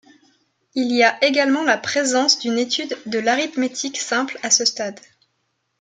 Il y a également la présence d'une étude de l'arithmétique simple à ce stade.